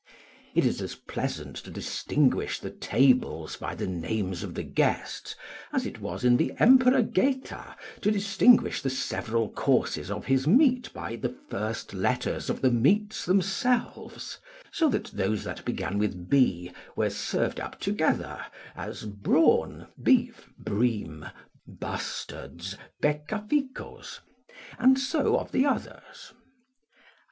It is as pleasant to distinguish the tables by the names of the guests as it was in the Emperor Geta to distinguish the several courses of his meat by the first letters of the meats themselves; so that those that began with B were served up together, as brawn, beef, bream, bustards, becca ficos; and so of the others.